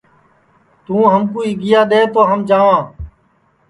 توں ہمکُو آیگیا دؔے تو ہم جاواں